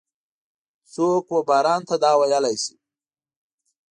څوک وباران ته دا ویلای شي؟